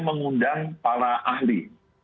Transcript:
mengundang para ahli